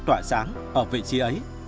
tỏa sáng ở vị trí ấy